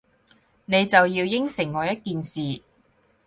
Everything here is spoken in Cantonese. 你就要應承我一件事